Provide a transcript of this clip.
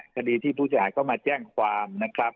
คดีที่ผู้เสียหายเข้ามาแจ้งความนะครับ